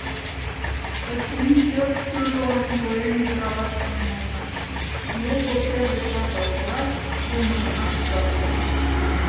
Очыни, пӧрт турлан руэн йӧралаш шонен улмаш; нулго кӧргӧ таза огылат, руымыжымат кудалтен.